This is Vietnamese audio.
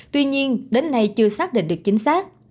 tuy nhiên đến nay chưa xác định được chính xác